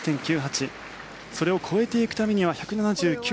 それを超えていくためには１７９．５２